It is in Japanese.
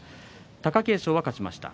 貴景勝は勝ちました。